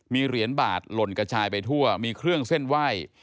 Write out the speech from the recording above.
มีเหรียญบาทหล่นกระจายไปทั่วมีเครื่องเส้นไหว้